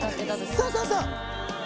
あそうそうそう！